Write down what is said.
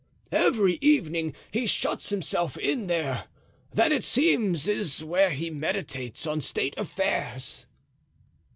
"Every evening he shuts himself in there. That, it seems, is where he meditates on state affairs."